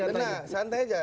benar santai saja